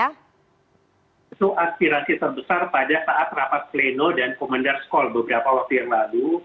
itu aspirasi terbesar pada saat rapat pleno dan commander skol beberapa waktu yang lalu